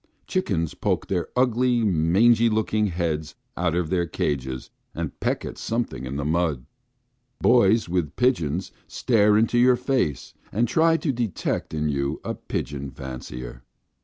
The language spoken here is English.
Chickens poke their ugly, mangy looking heads out of their cages and peck at something in the mud. Boys with pigeons stare into your face and try to detect in you a pigeon fancier.